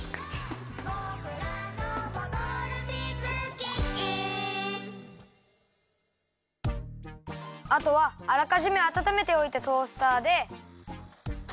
「ボクらのボトルシップキッチン」あとはあらかじめあたためておいたトースターで。